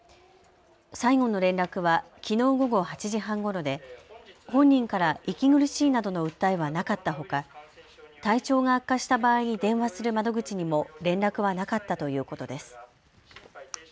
最後の連絡はきのう午後８時半ごろで本人から息苦しいなどの訴えはなかったほか体調が悪化した場合に電話する窓口にも連絡はなかったということです。